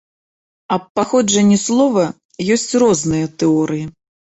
Аб паходжанні слова ёсць розныя тэорыі.